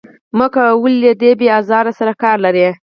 مه کوئ، ولې له دې بې آزار سره کار لرئ.